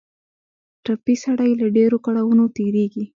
ټپي سړی له ډېرو کړاوونو تېرېږي.